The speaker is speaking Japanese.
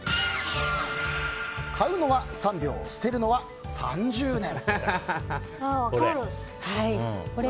買うのは３秒、捨てるのは３０年。